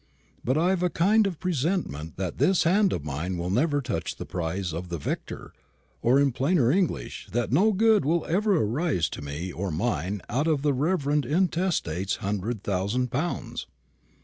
But I've a kind of presentiment that this hand of mine will never touch the prize of the victor; or, in plainer English, that no good will ever arise to me or mine out of the reverend intestate's hundred thousand pounds."